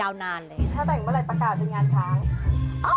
ถ้าแต่งเมื่อไรประกาศเป็นงานช้าง